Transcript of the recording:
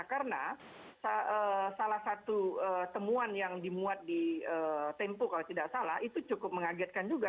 karena salah satu temuan yang dimuat di tempu kalau tidak salah itu cukup mengagetkan juga